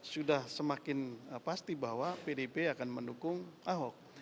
sudah semakin pasti bahwa pdip akan mendukung ahok